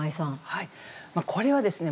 はい、これはですね